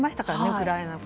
ウクライナの。